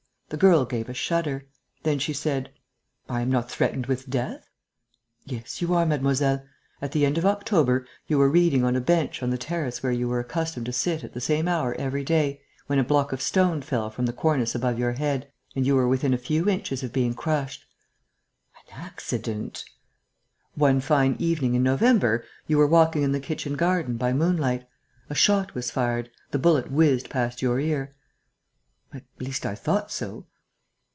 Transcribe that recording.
The girl gave a shudder. Then she said: "I am not threatened with death." "Yes, you are, mademoiselle. At the end of October, you were reading on a bench on the terrace where you were accustomed to sit at the same hour every day, when a block of stone fell from the cornice above your head and you were within a few inches of being crushed." "An accident...." "One fine evening in November, you were walking in the kitchen garden, by moonlight. A shot was fired, The bullet whizzed past your ear." "At least, I thought so."